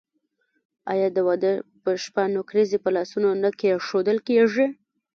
آیا د واده په شپه نکریزې په لاسونو نه کیښودل کیږي؟